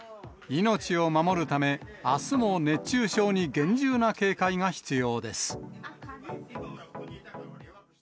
命を守るため、あすも熱中症に厳重な警戒が必要です。